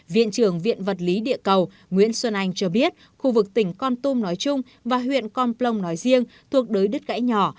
viện trưởng viện vật lý địa cầu nguyễn xuân anh cho biết khu vực tỉnh con tum nói chung và huyện con plong nói riêng thuộc đối đất gãy nhỏ